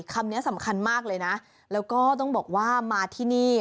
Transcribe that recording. คำนี้สำคัญมากเลยนะแล้วก็ต้องบอกว่ามาที่นี่